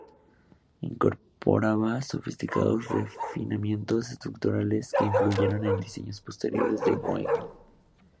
Incorporaba sofisticados refinamientos estructurales que influyeron en diseños posteriores de Boeing.